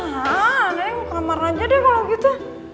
hah neneng buka kamar aja deh kalau gitu